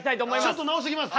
ちょっと直してきます。